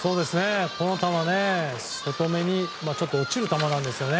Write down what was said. この球、外めに落ちる球なんですよね。